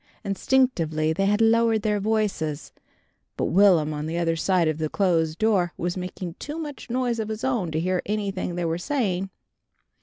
Instinctively they had lowered their voices, but Will'm on the other side of the closed door was making too much noise of his own to hear anything they were saying.